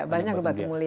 banyak batu mulia